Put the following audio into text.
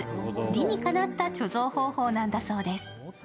理にかなった貯蔵方法なんだそうです。